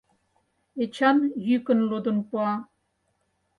Эчан йӱкын лудын пуа.